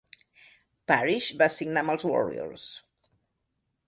Parish va signar amb els Warriors.